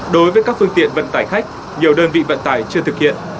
đối với các phương tiện vận tải khách nhiều đơn vị vận tải chưa thực hiện